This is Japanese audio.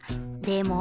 でも。